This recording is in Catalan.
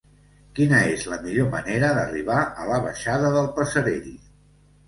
Quina és la millor manera d'arribar a la baixada del Passerell?